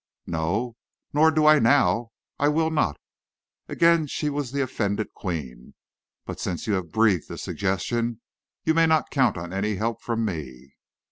"No, nor do I now. I will not." Again she was the offended queen. "But since you have breathed the suggestion, you may not count on any help from me."